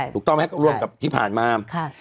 ถูกต้องร่วมกับที่ผ่านมา